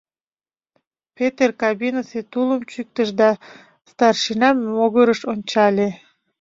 Петер кабинысе тулым чӱктыш да старшинан могырыш ончале.